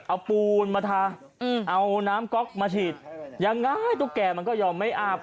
เอาปูนมาทาเอาน้ำก๊อกมาฉีดยังไงตุ๊กแก่มันก็ยอมไม่อาบ